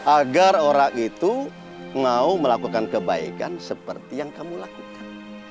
agar orang itu mau melakukan kebaikan seperti yang kamu lakukan